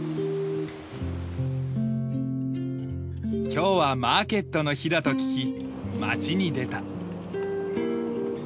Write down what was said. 今日はマーケットの日だと聞き町に出た。